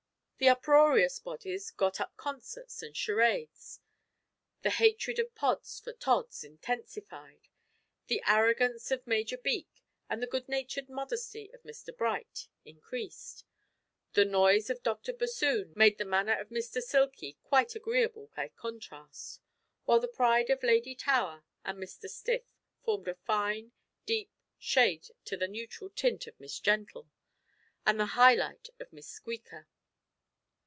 The uproarious bodies got up concerts and charades. The hatred of Pods for Tods intensified. The arrogance of Major Beak, and the good natured modesty of Mr Bright, increased. The noise of Dr Bassoon made the manner of Mr Silky quite agreeable by contrast, while the pride of Lady Tower and Mr Stiff formed a fine, deep shade to the neutral tint of Miss Gentle, and the high light of Miss Squeaker.